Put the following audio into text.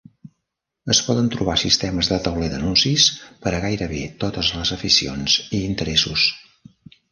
Es poden trobar sistemes de tauler d'anuncis per a gairebé totes les aficions i interessos.